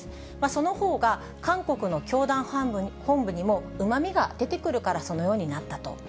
そのほうが韓国の教団本部にもうまみが出てくるから、そのようになったと。